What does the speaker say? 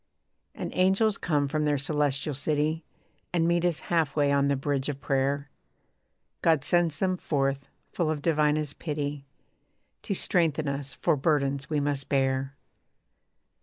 And angels come from their Celestial City And meet us half way on the bridge of prayer. God sends them forth, full of divinest pity To strengthen us for burdens we must bear.